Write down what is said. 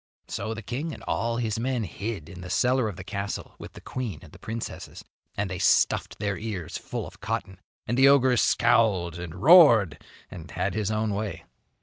So the king and all his men hid in the cellar of the castle with the queen and the princesses, and they stuffed their ears full of cotton, and the ogre scowled and roared and had his own way.